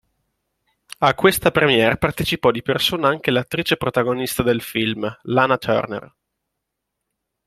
A questa première partecipò di persona anche l'attrice protagonista del film, Lana Turner.